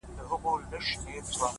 هره تجربه د ژوند نوی رنګ لري.!